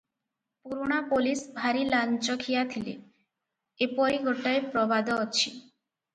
ପୁରୁଣା ପୋଲିସ ଭାରି ଲାଞ୍ଚଖିଆ ଥିଲେ, ଏପରି ଗୋଟାଏ ପ୍ରବାଦ ଅଛି ।